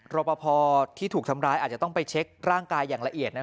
รอปภที่ถูกทำร้ายอาจจะต้องไปเช็คร่างกายอย่างละเอียด